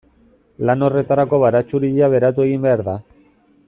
Lan horretarako baratxuria beratu egin behar da.